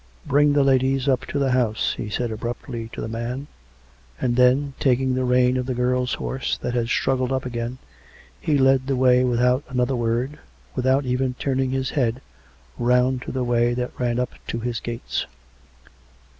" Bring the ladies up to the house," he said abruptly to the man; and then, taking the rein of the girl's horse that had struggled up again, he led the way, without another word, without even turning his head, round to the way that ran up to his gates.